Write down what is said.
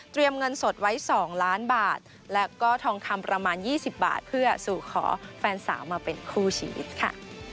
เงินสดไว้๒ล้านบาทและก็ทองคำประมาณ๒๐บาทเพื่อสู่ขอแฟนสาวมาเป็นคู่ชีวิตค่ะ